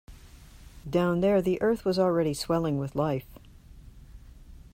Down there the earth was already swelling with life.